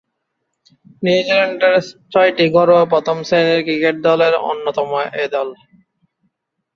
নিউজিল্যান্ডের ছয়টি ঘরোয়া প্রথম-শ্রেণীর ক্রিকেট দলের অন্যতম এ দল।